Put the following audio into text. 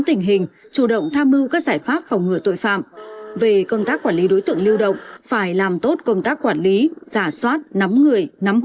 thực hiện ý kiến lãnh đạo